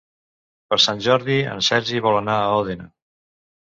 Per Sant Jordi en Sergi vol anar a Òdena.